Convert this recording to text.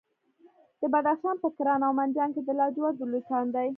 د بدخشان په کران او منجان کې د لاجوردو لوی کان دی.